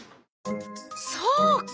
そうか！